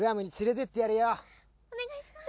お願いします。